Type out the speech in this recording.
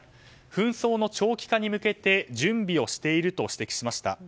紛争の長期化に向けて準備をしていると指摘しました。